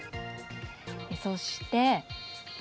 そして。